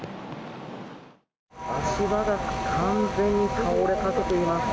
足場が完全に倒れかけています。